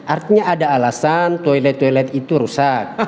artinya ada alasan toilet toilet itu rusak